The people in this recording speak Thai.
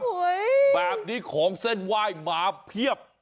โอ้ยแบบนี้ของเส้นว่ายมาเพียบ